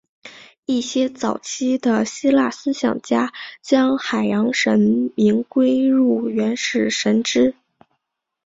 一些早期的希腊思想家将海洋神明归入原始神只。